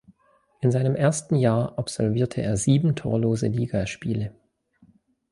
In seinem ersten Jahr absolvierte er sieben torlose Ligaspiele.